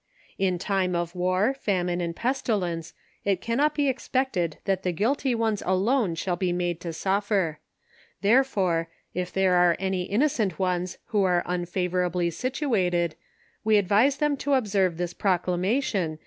"In time of war, famine and pestilence it cannot be ex ])pcted that the guilty ones alone shall be made to suffer ; therefore, if there are any innocent ones who are unfavora bly situated, we advise them to observe this proclamatiou THE LOVERS AND CONSPIRATORS.